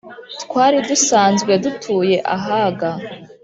twari dusanzwe dutuye ahaga